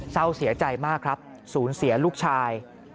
เศร้าเสียใจมากครับศูนย์เสียลูกชาย